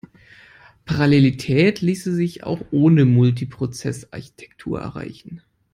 Parallelität ließe sich auch ohne Multiprozess-Architektur erreichen.